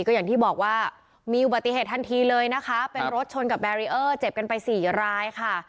ก็อย่างที่บอกว่ามีอุบัติเหตุทันทีเลยนะคะเป็นรถชนกับแบรีเออร์เจ็บกันไปสี่รายค่ะ